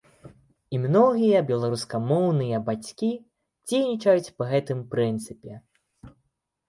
І многія беларускамоўныя бацькі дзейнічаюць па гэтым прынцыпе.